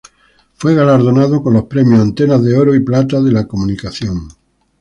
Fue galardonado con los premios "Antena" de oro y plata de la comunicación.